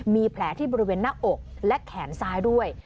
มีแผลที่บริเวณหน้าอกและแขนซ้ายด้วย